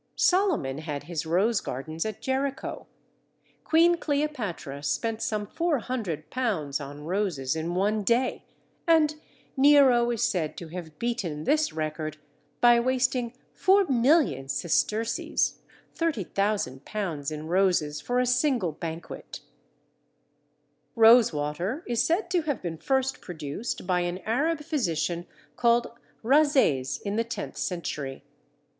Solomon had his rose gardens at Jericho. Queen Cleopatra spent some £400 on roses in one day, and Nero is said to have beaten this record by wasting 4,000,000 sesterces (£30,000) in roses for a single banquet. Rosewater is said to have been first produced by an Arab physician called Rhazés in the tenth century.